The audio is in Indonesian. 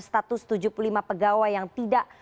status tujuh puluh lima pegawai yang tidak